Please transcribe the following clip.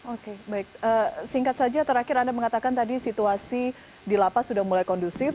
oke baik singkat saja terakhir anda mengatakan tadi situasi di lapas sudah mulai kondusif